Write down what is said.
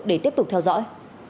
để tiếp tục theo dõi